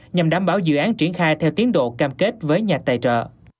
nhằm đảm bảo dự án triển khai theo tiến độ cam kết với nhà tài trợ